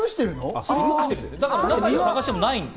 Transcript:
だから、探してもないんです。